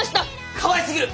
かわいすぎる！